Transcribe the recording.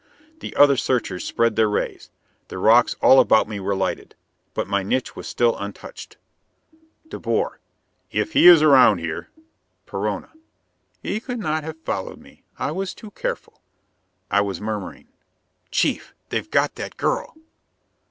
The other searchers spread their rays; the rocks all about me were lighted. But my niche was still untouched. De Boer: "If he is around here " Perona: "He could not have followed me; I was too careful." I was murmuring: "Chief, they've got that girl."